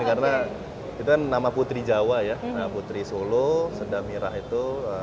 karena itu kan nama putri jawa ya nama putri solo sedah mirah itu